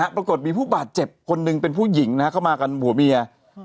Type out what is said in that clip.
ปรากฏมีผู้บาดเจ็บคนหนึ่งเป็นผู้หญิงเข้ามากันผัวเมีย